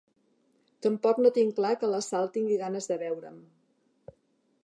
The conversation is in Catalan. Tampoc no tinc clar que la Sal tingui ganes de veure'm.